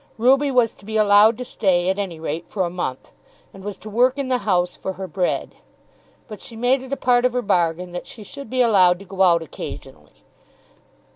Ruby was to be allowed to stay at any rate for a month, and was to work in the house for her bread. But she made it a part of her bargain that she should be allowed to go out occasionally.